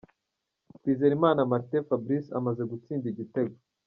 Twizerimana Martin Fabrice amaze gutsinda igitego.